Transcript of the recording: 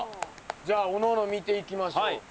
じゃあおのおの見ていきましょう。